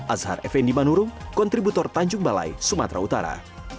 azhar effendi manurung kontributor tanjung balai sumatera utara